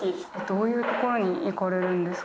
どういう所に行かれるんですか？